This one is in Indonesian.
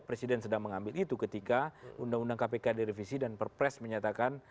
presiden sedang mengambil itu ketika undang undang kpk direvisi dan perpres menyatakan